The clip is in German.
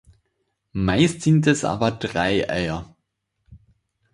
Meist sind es aber drei Eier.